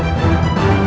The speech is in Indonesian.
tapi y esquersekan